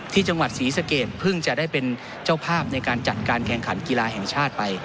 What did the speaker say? ที่จังหวัดศรีสะเกดเพิ่งจะได้เป็นเจ้าภาพในการจัดการแข่งขันกีฬาแห่งชาติไป